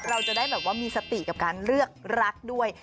เราจะได้แบบว่ามีสติกับการเลือกรักด้วย